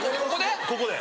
ここで？